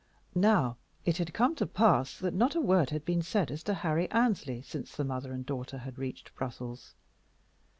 Now, it had come to pass that not a word had been said as to Harry Annesley since the mother and daughter had reached Brussels.